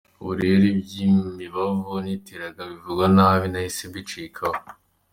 Ubu rero iby’imibavu niteraga bimugwa nabi, nahise mbicikaho.